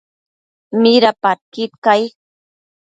Midapadquid cai?